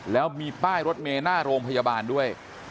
แล้วมีป้ายรถเมย์หน้าโรงพยาบาลด้วย